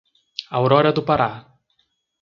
Aurora do Pará